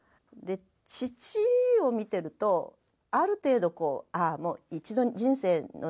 父を見てるとある程度こうああもう一度人生のね